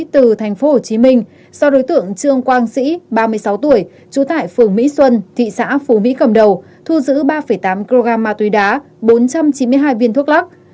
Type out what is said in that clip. từ thành phố hồ chí minh do đối tượng trương quang sĩ ba mươi sáu tuổi trú tại phường mỹ xuân thị xã phú mỹ cầm đầu thu giữ ba tám kg ma túy đá bốn trăm chín mươi hai viên thuốc lắc